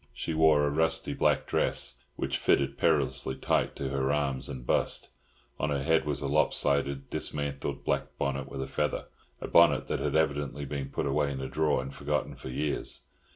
She wore a rusty black dress, which fitted perilously tight to her arms and bust; on her head was a lopsided, dismantled black bonnet with a feather—a bonnet that had evidently been put away in a drawer and forgotten for years.